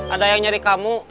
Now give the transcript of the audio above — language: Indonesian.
ada yang nyari kamu